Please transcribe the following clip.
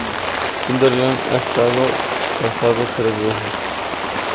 Sutherland ha estado casado tres veces.